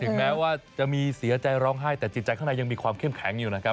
แม้ว่าจะมีเสียใจร้องไห้แต่จิตใจข้างในยังมีความเข้มแข็งอยู่นะครับ